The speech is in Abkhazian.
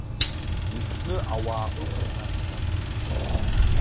Иҭәны ауаа ықәын ашҭа.